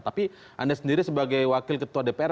tapi anda sendiri sebagai wakil ketua dpr